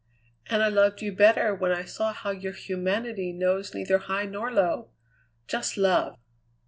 "And I loved you better when I saw how your humanity knows neither high nor low just love!"